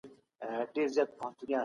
تازه جوس وڅښئ.